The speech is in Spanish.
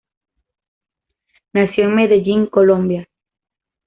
Nació en Medellín, Colombia.